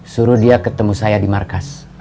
suruh dia ketemu saya di markas